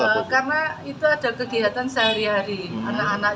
karena itu ada kegiatan sehari hari anak anak